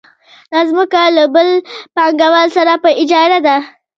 دا ځمکه له بل پانګوال سره په اجاره ده